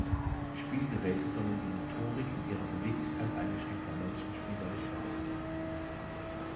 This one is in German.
Spielgeräte sollen die Motorik in ihrer Beweglichkeit eingeschränkter Menschen spielerisch verbessern.